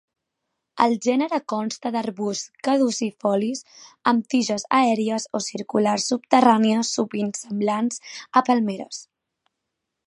El gènere consta d'arbusts caducifolis amb tiges aèries o circulars subterrànies sovint semblants a palmeres.